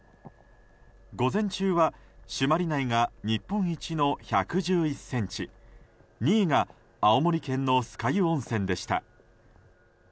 午前中は朱鞠内が日本一の１１１ｃｍ２位が青森県の酸ヶ湯温泉でした。